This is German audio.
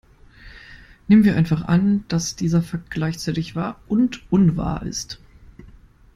Nehmen wir einfach an, dass dieser Fakt gleichzeitig wahr und unwahr ist.